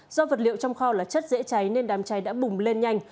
do vật liệu trong kho là chất dễ cháy nên đám cháy đã bùng lên nhanh